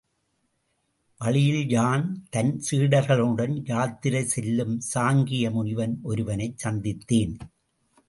வழியில் யான், தன் சீடர்களுடன் யாத்திரை செல்லும் சாங்கிய முனிவன் ஒருவனைச் சந்தித்தேன்.